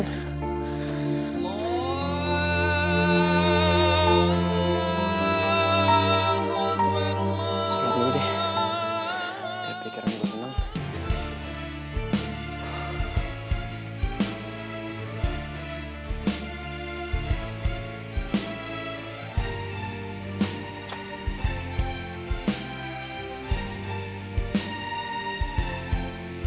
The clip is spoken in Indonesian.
sebelah dulu deh biar pikiran gue tenang